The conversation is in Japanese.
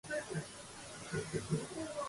大丈夫、砂利はついていない